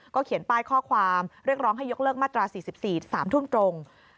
เขียนป้ายข้อความเรียกร้องให้ยกเลิกมาตรา๔๔๓ทุ่มตรง